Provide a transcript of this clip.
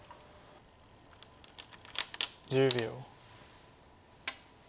１０秒。